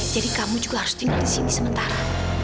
jadi kamu juga harus tinggal di sini sementara